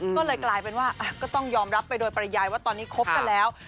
ก็เลยกลายเป็นว่าก็ต้องยอมรับไปโดยปริยายว่าตอนนี้คบกันแล้ว